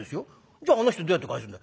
「じゃああの人どうやって帰すんだよ？」。